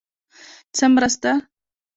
_څه مرسته؟